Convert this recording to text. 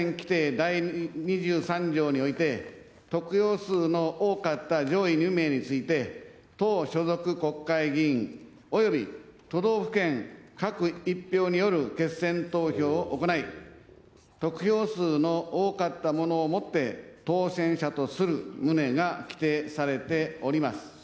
第２３条において、得票数の多かった上位２名について、党所属国会議員および都道府県各１票による決選投票を行い、得票数の多かった者をもって、当選者とする旨が規定されております。